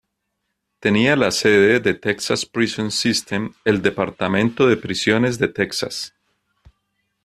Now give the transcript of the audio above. Tenía la sede del "Texas Prison System", el departamento de prisiones de Texas.